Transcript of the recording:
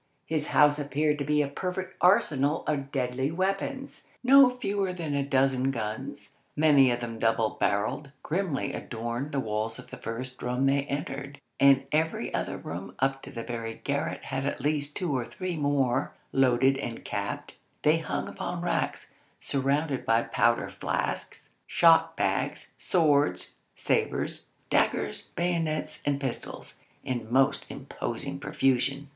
His house appeared to be a perfect arsenal of deadly weapons. No fewer than a dozen guns, many of them double barrelled, grimly adorned the walls of the first room they entered, and every other room up to the very garret had at least two or three more, loaded and capped; they hung upon racks, surrounded by powder flasks, shot bags, swords, sabres, daggers, bayonets, and pistols, in most imposing profusion.